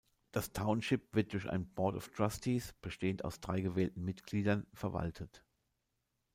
Das Township wird durch ein Board of Trustees, bestehend aus drei gewählten Mitgliedern, verwaltet.